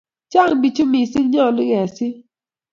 Chang' pechu missing', nyalu kesil.